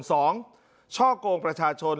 สองช่อกลงประชาชน